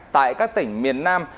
tại các tỉnh miền nam